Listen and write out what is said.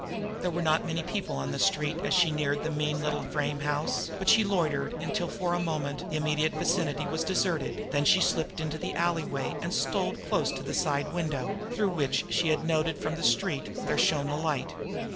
There were not many people on the street as she neared the mean little frame house, but she loitered until for the moment the immediate vicinity was deserted; then she slipped into the alleyway, and stole close to the side window, through which, she had noted from the street, there shone a light.